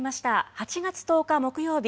８月１０日木曜日